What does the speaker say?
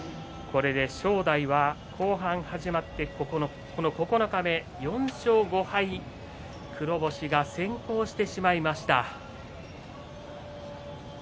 これで正代は後半始まって九日目、４勝５敗黒星が先行してしまいました。